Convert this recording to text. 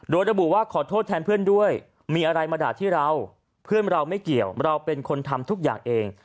โดยระบุว่าขอโทษแทนเพื่อนด้วยมีอะไรมาด่าที่เราเพื่อนเราไม่เกี่ยวเราเป็นคนทำทุกอย่างเอง